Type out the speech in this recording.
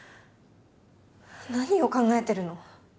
何を考えてるの？